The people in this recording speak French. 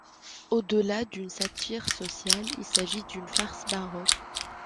Au-delà d'une satire sociale, il s'agit d'une farce baroque.